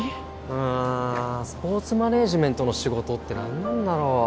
うーんスポーツマネージメントの仕事って何なんだろう